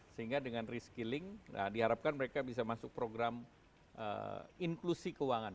sehingga dengan reskilling diharapkan mereka bisa masuk program inklusi keuangan